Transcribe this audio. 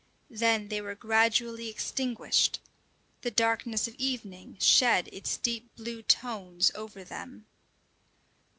Then they were gradually extinguished; the darkness of evening shed its deep blue tones over them.